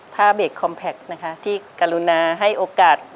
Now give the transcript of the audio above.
พาเบรกคอมแพคที่กาลุนาให้โอกาส